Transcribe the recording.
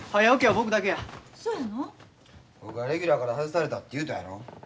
僕はレギュラーから外されたって言うたやろ。